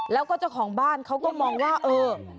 แล้วก็เจ้าของบ้านเขาก็มองว่าเออ